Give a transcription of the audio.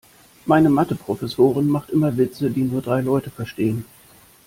Meine Mathe-Professorin macht immer Witze, die nur drei Leute verstehen.